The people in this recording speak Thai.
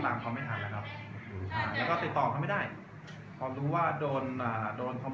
แต่ว่าเมืองนี้ก็ไม่เหมือนกับเมืองอื่น